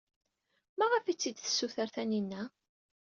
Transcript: Maɣef ay t-id-tessuter Taninna?